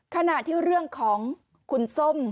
ขณะที่เรื่องของคุณส้ม